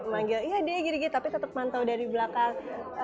manggil iya deh gini tapi tetep mantau dari belakang